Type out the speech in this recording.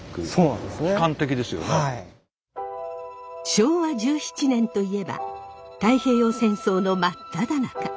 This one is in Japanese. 昭和１７年といえば太平洋戦争の真っただ中。